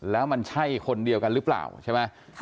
แล้วมันใช่คนเดียวกันหรือเปล่าใช่ไหม